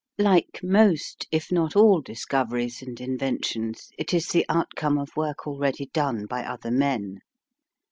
Like most, if not all, discoveries and inventions, it is the outcome of work already done by other men.